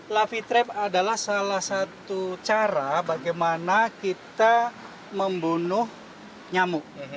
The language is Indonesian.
lavy trap adalah salah satu cara bagaimana kita membunuh nyamuk